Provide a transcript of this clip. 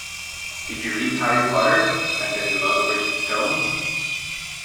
Did you read Harry Potter and the Philosopher's Stone?